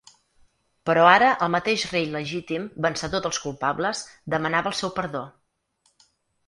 Però ara el mateix rei legítim, vencedor dels culpables, demanava el seu perdó.